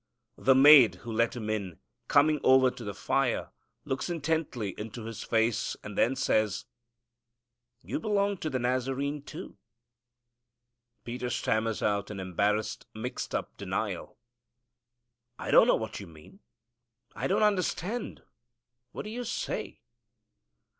The maid who let him in, coming over to the fire, looks intently into his face, and then says, "You belong to the Nazarene, too." Peter stammers out an embarrassed, mixed up denial, "I don't know what you mean I don't understand what do you say?"